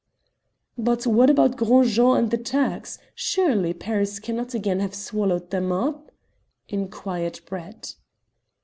"But what about Gros Jean and the Turks? Surely Paris cannot again have swallowed them up?" inquired Brett.